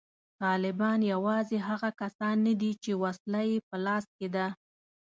طالبان یوازې هغه کسان نه دي چې وسله یې په لاس کې ده